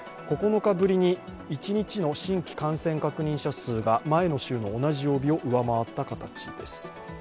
９日ぶりに一日の新規確認感染者数が前の週の同じ曜日を上回った形です。